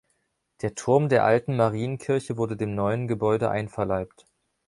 Der Turm der alten Marienkirche wurde dem neuen Gebäude einverleibt.